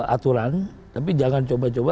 aturan tapi jangan coba coba